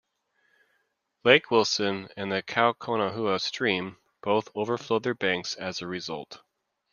Lake Wilson and the Kaukonahua Stream both overflowed their banks as a result.